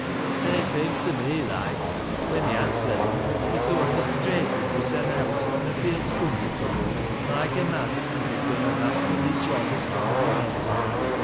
An' it seems to me loike, when he has said 'em, he soart o' straightens hissen out, an' feels comfortable, loike a mon as has done a ma&terly job as conna be mended.